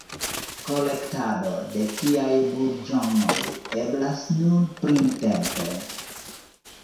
Kolektado de tiaj burĝonoj eblas nur printempe.